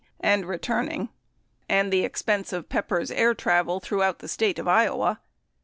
and returning, and the expense of Pepper's air travel throughout the State of Iowa.